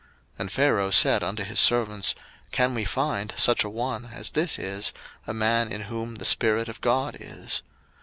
01:041:038 And Pharaoh said unto his servants, Can we find such a one as this is, a man in whom the Spirit of God is?